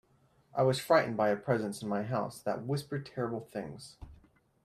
I was frightened by a presence in my house that whispered terrible things.